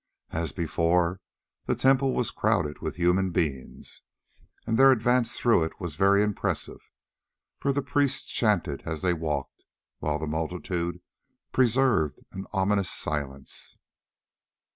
As before, the temple was crowded with human beings, and their advance through it was very impressive, for the priests chanted as they walked, while the multitude preserved an ominous silence.